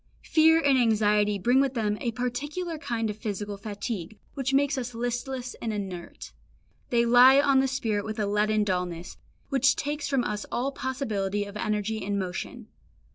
Fear and anxiety bring with them a particular kind of physical fatigue which makes us listless and inert. They lie on the spirit with a leaden dullness, which takes from us all possibility of energy and motion.